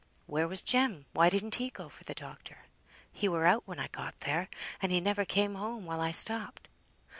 "Where was Jem? Why didn't he go for the doctor?" "He were out when I got there, and he never came home while I stopped."